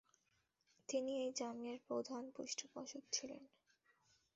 তিনি এই জামিয়ার প্রধান পৃষ্ঠপোষক ছিলেন।